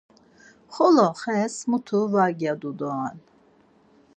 Xolo xes mutu var gyadu doren.